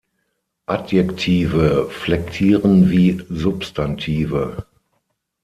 Adjektive flektieren wie Substantive.